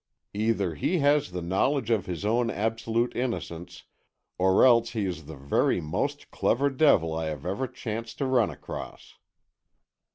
Either he has the knowledge of his own absolute innocence, or else he is the very most clever devil I have ever chanced to run across."